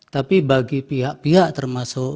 tapi bagi pihak pihak termasuk